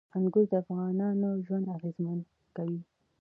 انګور د افغانانو ژوند اغېزمن کوي.